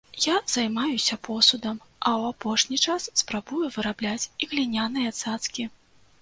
Я займаюся посудам, а ў апошні час спрабую вырабляць і гліняныя цацкі.